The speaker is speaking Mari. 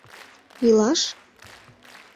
— Илаш?